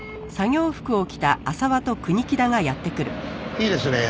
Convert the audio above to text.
いいですね？